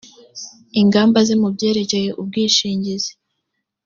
ingamba ze mu byerekeye ubwishingizi